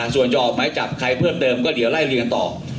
ส่วนจะออกหมายจับใครเพิ่มเติมก็เดี๋ยวไล่เรียนต่อ